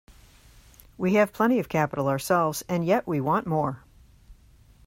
We have plenty of capital ourselves, and yet we want more.